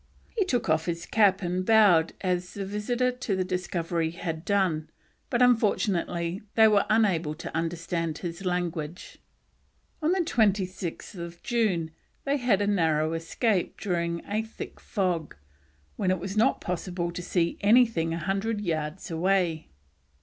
He took off his cap and bowed as the visitor to the Discovery had done, but unfortunately they were unable to understand his language. On 26th June they had a narrow escape during a thick fog, when it was not possible to see anything a hundred yards away.